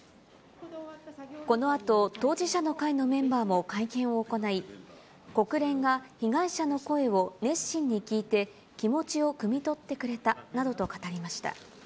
このあと、当事者の会のメンバーも会見を行い、国連が被害者の声を熱心に聞いて、気持ちをくみ取ってくれたなどと語りました。